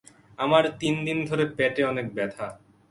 আমার তিন দিন ধরে পেটে অনেক ব্যথা।